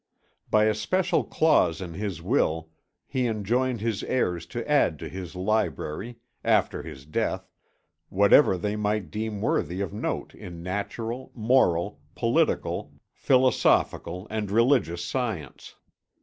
By a special clause in his will he enjoined his heirs to add to his library, after his death, whatever they might deem worthy of note in natural, moral, political, philosophical, and religious science.